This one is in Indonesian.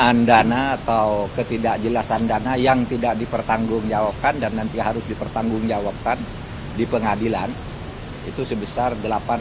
dana atau ketidakjelasan dana yang tidak dipertanggungjawabkan dan nanti harus dipertanggungjawabkan di pengadilan itu sebesar